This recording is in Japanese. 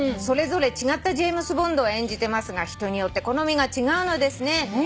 「それぞれ違ったジェームズ・ボンドを演じてますが人によって好みが違うのですね」